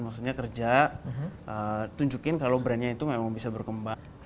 maksudnya kerja tunjukin kalau brandnya itu memang bisa berkembang